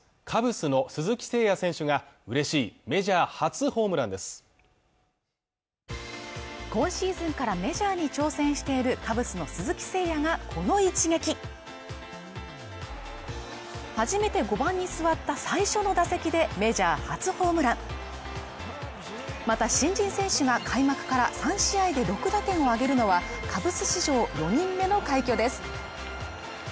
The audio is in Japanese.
カブスの鈴木誠也選手がうれしいメジャー初ホームランです今シーズンからメジャーに挑戦しているカブスの鈴木誠也がこの一撃初めて５番に座った最初の打席でメジャー初ホームランまた新人選手が開幕から３試合で６打点を挙げるのはカブス史上４人目の快挙です